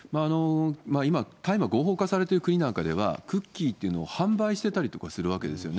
今、大麻合法化されている国なんかでは、クッキーっていうのを販売してたりとかするわけですよね。